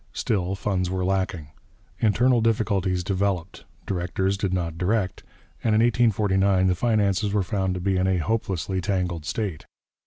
Still, funds were lacking. Internal difficulties developed; directors did not direct; and in 1849 the finances were found to be in a hopelessly tangled state.